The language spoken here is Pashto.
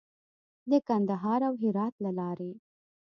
د کندهار او هرات له لارې.